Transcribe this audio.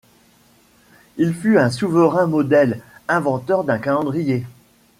Il fut un souverain modèle, inventeur d’un calendrier.